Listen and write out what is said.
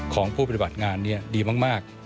ของผู้ปฏิบัติงานดีมาก